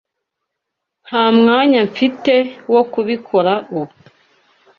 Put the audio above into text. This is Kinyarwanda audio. Nta mwanya mfite wo kubikora ubu.